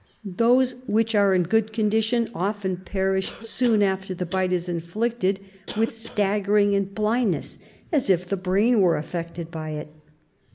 Those which are in good condition often perish soon after the bite is inflicted with staggering and bUndness, as if the brain were affected by it.